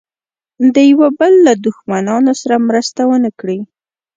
د یوه بل له دښمنانو سره مرسته ونه کړي.